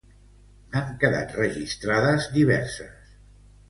N'han quedat registrades diverses.